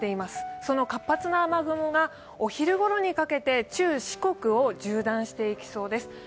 その活発な雨雲がお昼ごろにかけて、中国・四国を縦断していきそうです。